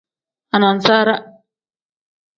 Anasaara.